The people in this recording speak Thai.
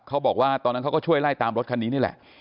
เขาบอกว่าตอนนั้นเขาก็ช่วยไล่ตามรถคันนี้นี่แหละ